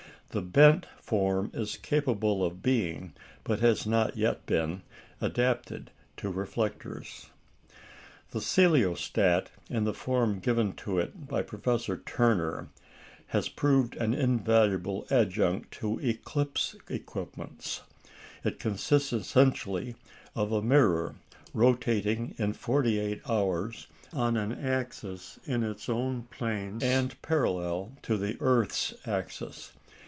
The "bent" form is capable of being, but has not yet been, adapted to reflectors. The "coelostat," in the form given to it by Professor Turner, has proved an invaluable adjunct to eclipse equipments. It consists essentially of a mirror rotating in forty eight hours on an axis in its own plane, and parallel to the earth's axis.